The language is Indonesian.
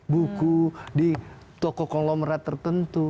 buku di toko kolomerat tertentu